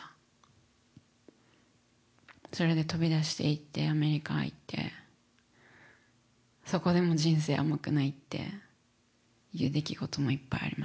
それで飛び出していってアメリカ行ってそこでも人生甘くないっていう出来事もいっぱいありました。